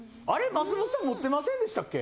松本さん持ってませんでしたっけ？